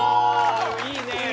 いいねえ。